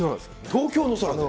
東京の空で？